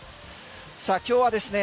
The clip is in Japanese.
さあ今日はですね